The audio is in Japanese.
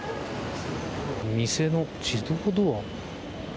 店の自動ドア